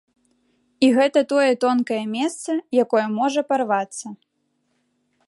І гэта тое тонкае месца, якое можа парвацца.